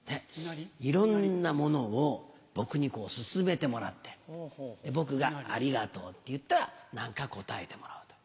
いろんなものを僕に勧めてもらって僕が「ありがとう」って言ったら何か答えてもらうと。